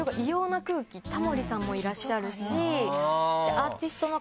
タモリさんもいらっしゃるし。